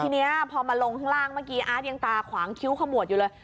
ทีนี้พอมาลงข้างล่างเมื่อกี้อาร์ตยังตาขวางคิ้วขมวดอยู่เลย